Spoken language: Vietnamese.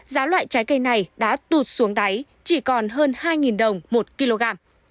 giá loại trái cây này đã tụt xuống đáy chỉ còn hơn hai đồng một kg